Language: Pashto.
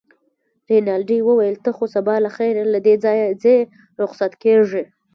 رینالډي وویل: ته خو سبا له خیره له دې ځایه ځې، رخصت کېږې.